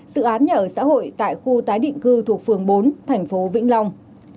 dự án nhà ở xã hội tại khu tái định cư thuộc phường bốn thành phố vĩnh long